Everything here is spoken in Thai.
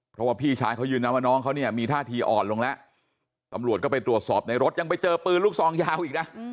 เพราะว่าพี่ชายเขายืนนะว่าน้องเขาเนี่ยมีท่าทีอ่อนลงแล้วตำรวจก็ไปตรวจสอบในรถยังไปเจอปืนลูกซองยาวอีกนะ